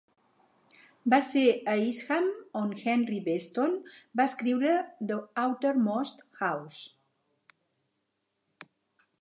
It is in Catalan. Va ser a Eastham on Henry Beston va escriure The Outermost House.